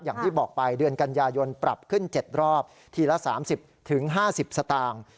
อย่างที่บอกไปเดือนกันยายนปรับขึ้น๗รอบทีละ๓๐๕๐สตางค์